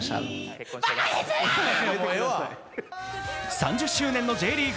３０周年のＪリーグ